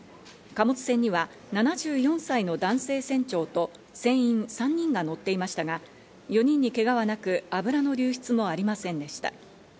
貨物船には７４歳の男性船長と船員３人が乗っていましたが、４人にけがはなく、油の流出もありませんでした。